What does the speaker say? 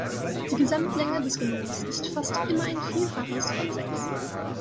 Die Gesamtlänge des Genoms ist fast immer ein Vielfaches von sechs.